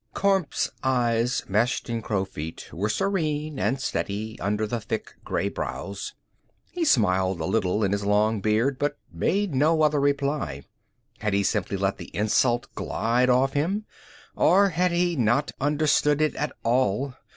Kormt's eyes, meshed in crow's feet, were serene and steady under the thick gray brows. He smiled a little in his long beard, but made no other reply. Had he simply let the insult glide off him, or had he not understood it at all?